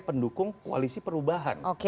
yang mendukung koalisi perubahan